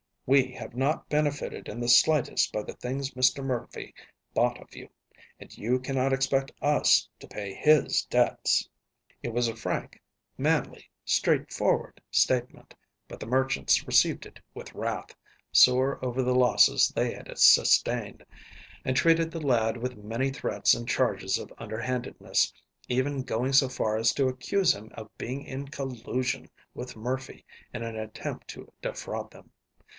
We have not benefited in the slightest by the things Mr. Murphy bought of you, and you cannot expect us to pay his debts." It was a frank, manly, straightforward statement, but the merchants received it with wrath, sore over the losses they had sustained, and treated the lad with many threats and charges of underhandedness, even going so far as to accuse him of being in collusion with Murphy in an attempt to defraud them.